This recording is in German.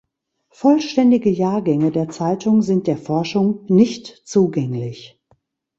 Vollständige Jahrgänge der Zeitung sind der Forschung nicht zugänglich.